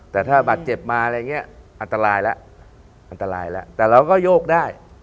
แต่ถ้าบาดเจ็บมาอะไรอย่างนี้อันตรายละแต่เราก็โยกได้